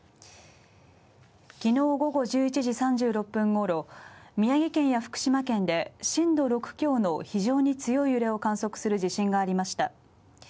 昨日午後１１時３６分頃、宮城県や福島県で震度６強の非常に強い揺れを観測する地震がありました。